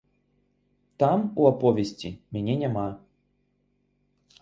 Там, у аповесці, мяне няма.